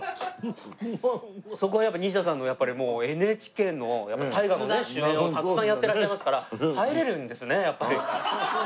そこは西田さんのやっぱりもうＮＨＫの大河の主演をたくさんやってらっしゃいますから入れるんですねやっぱり。